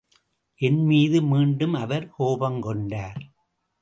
என்மீது மீண்டும் அவர் கோபங்கொண்டார்.